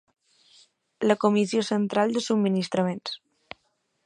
La Comissió Central de Subministraments.